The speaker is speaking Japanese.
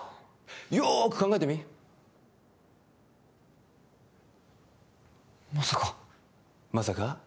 よく考えてみまさかまさか？